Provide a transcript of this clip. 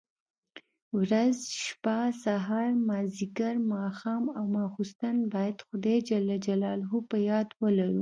ورځ، شپه، سهار، ماځيګر، ماښام او ماخستن بايد خداى جل جلاله په ياد ولرو.